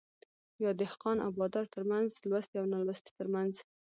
يا دهقان او بادار ترمنځ ،لوستي او نالوستي ترمنځ